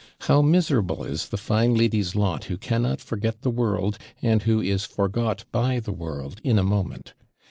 How miserable is the fine lady's lot who cannot forget the world, and who is forgot by the world in a moment!